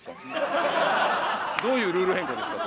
どういうルール変更ですか？